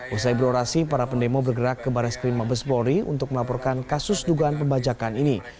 usai berorasi para pendemo bergerak ke baris krim mabespori untuk melaporkan kasus dugaan pembajakan ini